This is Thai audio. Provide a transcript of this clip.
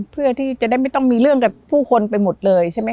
เพื่อที่จะได้ไม่ต้องมีเรื่องกับผู้คนไปหมดเลยใช่ไหมค